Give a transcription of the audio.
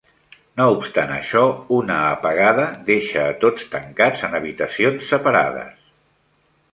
No obstant això, una apagada deixa a tots tancats en habitacions separades.